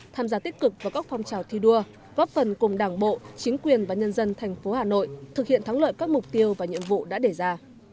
tham gia tích cực vào các phong trào thi đua góp phần cùng đảng bộ chính quyền và nhân dân thành phố hà nội thực hiện thắng lợi các mục tiêu và nhiệm vụ đã đề ra